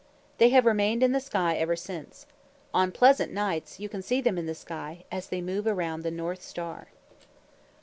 They have remained in the sky ever since. On pleasant nights you can see them in the sky, as they move around the North Star.